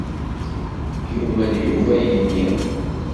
Yumen Yuba ayenni?